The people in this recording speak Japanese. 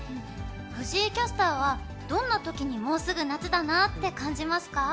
藤井キャスターは、どんなときにもうすぐ夏だなって感じますか？